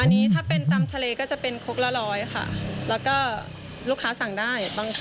อันนี้ถ้าเป็นตำทะเลก็จะเป็นครกละร้อยค่ะแล้วก็ลูกค้าสั่งได้บางคน